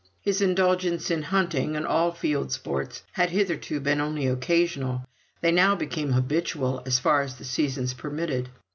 His indulgence in hunting, and all field sports, had hitherto been only occasional; they now became habitual, as far as the seasons permitted.